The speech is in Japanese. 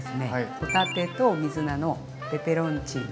帆立てと水菜のペペロンチーノ。